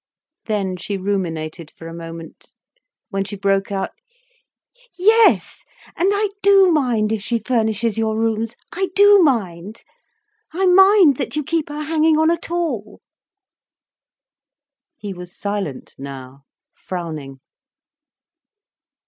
Then she ruminated for a moment, when she broke out: "Yes, and I do mind if she furnishes your rooms—I do mind. I mind that you keep her hanging on at all." He was silent now, frowning.